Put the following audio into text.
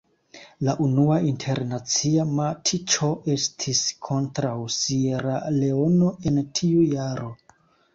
La unua internacia matĉo estis kontraŭ Sieraleono en tiu jaro.